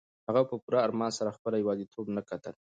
هغه په پوره ارمان سره خپله یوازیتوب ته کتل.